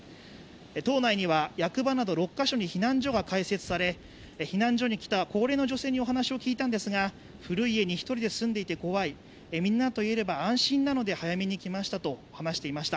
島内には、役場など６カ所に避難所が開設され避難所に来た高齢の女性にお話を聞いたんですが古い家に一人で住んでいて怖い、みんなといれば安心なので早めに来ましたと話していました。